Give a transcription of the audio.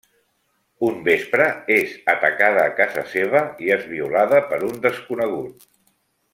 Un vespre, és atacada a casa seva i és violada per un desconegut.